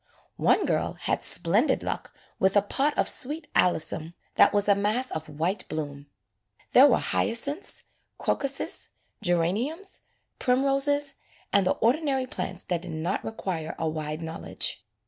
One girl had splendid luck with a pot of sweet alyssum that was a mass of 2 — An Easter Lily AN EASTER LILY white bloom. There were hyacinths, crocuses, geraniums, primroses, and the ordinary plants that did not require a wide knowledge.